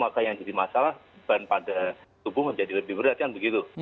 maka yang jadi masalah ban pada tubuh menjadi lebih berat kan begitu